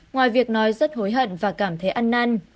ngoài việc nói rất hối hận và cảm thấy ăn năn